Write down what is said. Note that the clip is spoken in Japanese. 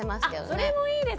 あそれもいいですね。